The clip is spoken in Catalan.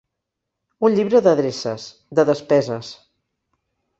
Un llibre d'adreces, de despeses.